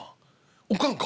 おかんか？